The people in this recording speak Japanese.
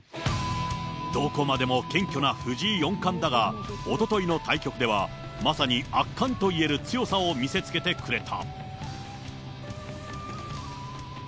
どこまでも謙虚な藤井四冠だが、おとといの対局ではまさに圧巻といえる強さを見せつけてくれた。